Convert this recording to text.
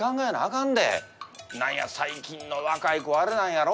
何や最近の若い子はあれなんやろ？